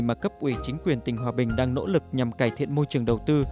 mà cấp ủy chính quyền tỉnh hòa bình đang nỗ lực nhằm cải thiện môi trường đầu tư